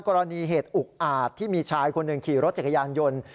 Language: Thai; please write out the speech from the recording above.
กรณีเหตุอุกอาจที่มีชายคนหนึ่งขี่รถจักรยานยนต์